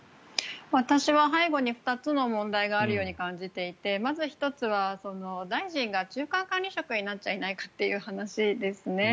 私は背後に２つの問題があるように感じていてまず１つは大臣が中間管理職になっちゃいないかという話です。